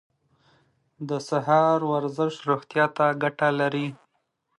د سهار ورزش روغتیا ته ګټه لري.